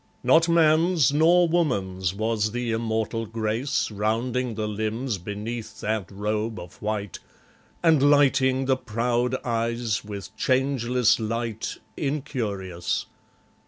Not man's nor woman's was the immortal grace Rounding the limbs beneath that robe of white, And lighting the proud eyes with changeless light, Incurious.